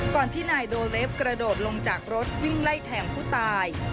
ที่นายโดเลฟกระโดดลงจากรถวิ่งไล่แทงผู้ตาย